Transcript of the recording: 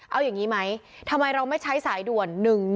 เอาอย่างนี้ไหมทำไมเราไม่ใช้สายด่วน๑๑๒